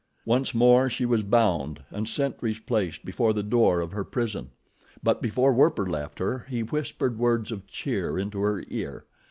Once more she was bound and sentries placed before the door of her prison; but before Werper left her he whispered words of cheer into her ear.